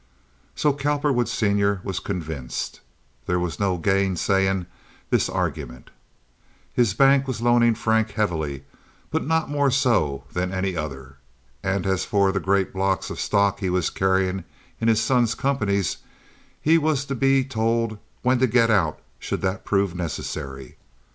So Cowperwood, Sr., was convinced. There was no gainsaying this argument. His bank was loaning Frank heavily, but not more so than any other. And as for the great blocks of stocks he was carrying in his son's companies, he was to be told when to get out should that prove necessary.